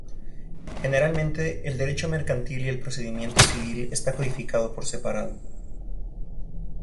Generalmente, el derecho mercantil y el procedimiento civil está codificado por separado.